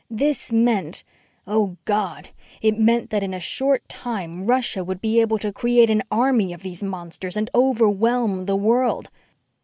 This meant oh, God it meant that in a short time Russia would be able to create an army of these monsters and overwhelm the world.